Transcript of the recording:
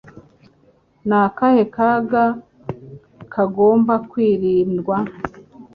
ni akahe kaga kagomba kwirindwa